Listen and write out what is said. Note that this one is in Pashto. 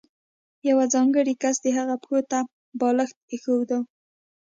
یو ځانګړی کس د هغه پښو ته بالښت ایښوده.